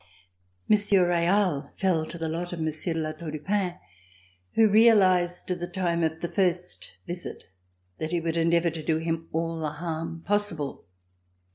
Monsieur Real fell to the lot of Monsieur de La Tour du Pin, who realized, at the time of the first visit, that he would endeavor to do him all the harm possible.